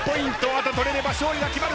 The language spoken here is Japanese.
あと取れれば勝利が決まる。